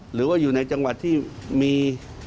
หรือว่าอยู่ในจังหวัดที่มี